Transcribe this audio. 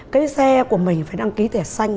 cái xe của mình phải đăng ký thẻ xanh